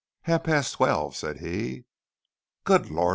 "Half past twelve," said he. "Good Lord!"